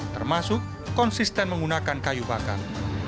termasuk konsisten menggunakan kayu bakar